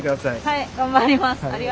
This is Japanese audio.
はい頑張ります。